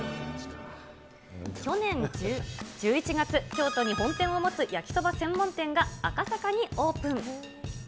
去年１１月、京都に本店を持つ焼きそば専門店が赤坂にオープン。